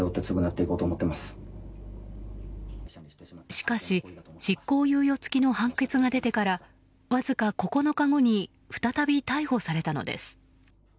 しかし、執行猶予付きの判決が出てからわずか９日後に再び逮捕されたのです。